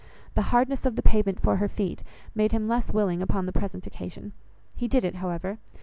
The hardness of the pavement for her feet, made him less willing upon the present occasion; he did it, however.